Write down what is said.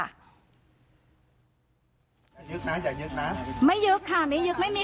น้องเปลี่ยนกระทะแค่นี้น้องไปบอกว่าอะไรหนูไม่รู้